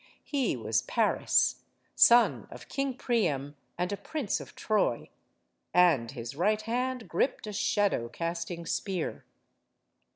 He was Paris, son of King Priam, and a prince of Troy. And his right hand gripped a shadow casting spear.